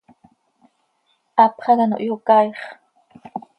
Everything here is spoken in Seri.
Hapx hac ano hyocaaix.